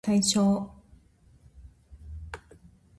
対象